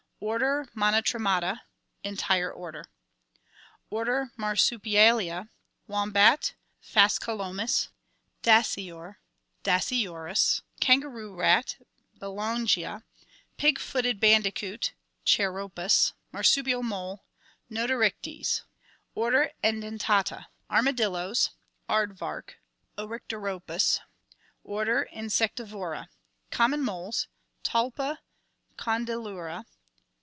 Order Monotremata. Entire order. Order Marsupialia. Wombat (Phascolomys). Dasyure (Dasyurus). Kangaroo rat (Bcttongia). Pig footed bandicoot (Chwropus). Marsupial mole (Notoryctes). Order Edentata. Armadillos. Aardvark (Orycteropus). Order Insectivora. Common moles (Talpa, Condylura).